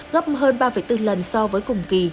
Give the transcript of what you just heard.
gấp hơn ba bốn lần so với cùng kỳ